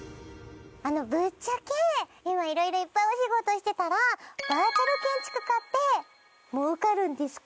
ぶっちゃけ今色々いっぱいお仕事してたらバーチャル建築家って儲かるんですか？